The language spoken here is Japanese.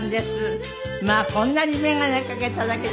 まあこんなに眼鏡かけただけで違う。